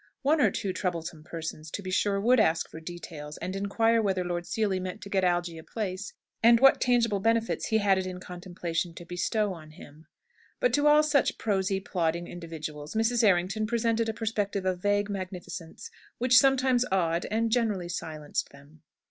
One or two troublesome persons, to be sure, would ask for details, and inquire whether Lord Seely meant to get Algy a place, and what tangible benefits he had it in contemplation to bestow on him. But to all such prosy, plodding individuals, Mrs. Errington presented a perspective of vague magnificence, which sometimes awed and generally silenced them.